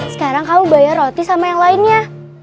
sekarang kamu bayar roti sama yang lainnya